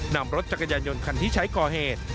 นำรถจักรยานยนต์คันที่ใช้ก่อเหตุ